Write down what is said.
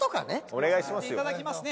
お願いしますよ。